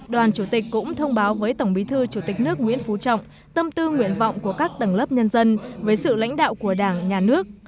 đoàn chủ tịch cũng thông báo với tổng bí thư chủ tịch nước nguyễn phú trọng tâm tư nguyện vọng của các tầng lớp nhân dân với sự lãnh đạo của đảng nhà nước